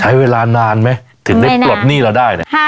ไหวลานานไหมถึงได้ได้ปลดหนี้เราได้น่ะ